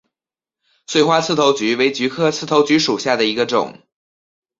穗花刺头菊为菊科刺头菊属下的一个种。